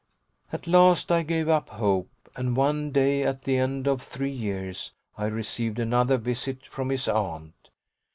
At last I gave up hope, and one day at the end of three years I received another visit from his aunt.